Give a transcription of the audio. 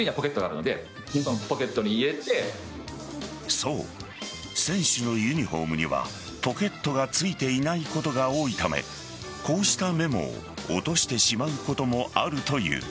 そう、選手のユニホームにはポケットがついていないことが多いためこうしたメモを落としてしまうこともあるという。